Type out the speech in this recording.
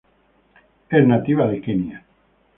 Es nativa de Kenia.